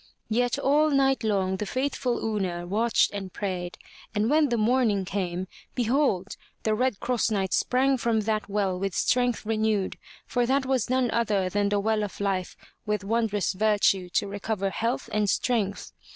Yet all night long the faithful Una watched and prayed, and when the morning came, behold! the Red Cross Knight sprang from that well with strength renewed, for that was none other than the well of life with wondrous virtue to recover health and strength.